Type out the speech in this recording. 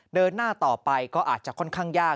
เดินหน้าต่อไปก็อาจจะค่อนข้างยาก